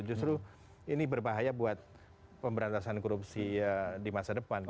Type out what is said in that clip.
justru ini berbahaya buat pemberantasan korupsi di masa depan